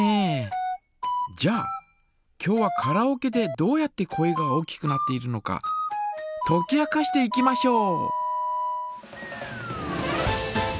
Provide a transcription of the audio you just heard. じゃあ今日はカラオケでどうやって声が大きくなっているのかとき明かしていきましょう。